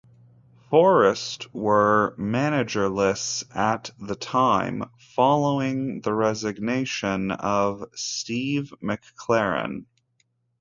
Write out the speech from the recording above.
Forest were managerless at the time, following the resignation of Steve McClaren.